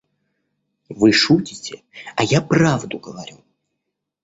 Вы шутите, а я правду говорю.